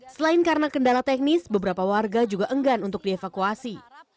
selain karena kendala teknis beberapa warga juga enggan untuk dievakuasi